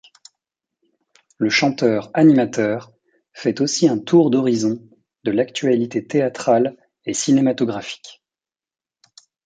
Le chanteur-animateur fait aussi un tour d'horizon de l'actualité théâtrale et cinématographique.